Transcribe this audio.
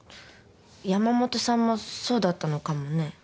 山本さんもそうだったのかもね。